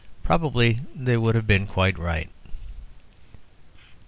Probably they would have been quite right.